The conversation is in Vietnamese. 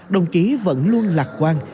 đồng chí vẫn luôn lạc quan